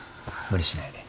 無理しないで。